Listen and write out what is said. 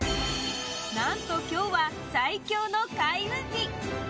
何と、今日は最強の開運日！